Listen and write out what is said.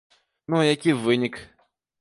Ну а які вынік?